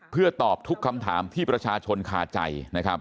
เพื่อตอบทุกคำถามที่ประชาชนคาใจ